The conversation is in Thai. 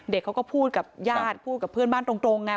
เขาก็พูดกับญาติพูดกับเพื่อนบ้านตรงไง